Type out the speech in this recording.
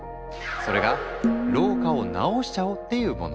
それが老化を治しちゃおう！っていうもの。